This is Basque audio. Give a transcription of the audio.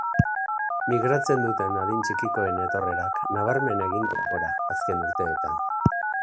Migratzen duten adin txikikoen etorrerak nabarmen egin du gora azken urteetan.